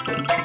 gak punya sim